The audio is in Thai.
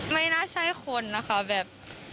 ไม่น่าใช่คนนะคะแบบ